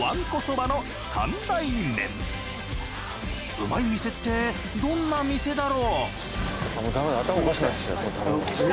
うまい店ってどんな店だろ？